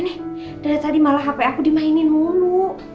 nih dari tadi malah hp aku dimainin mulu